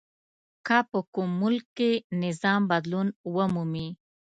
که په کوم ملک کې نظام بدلون ومومي.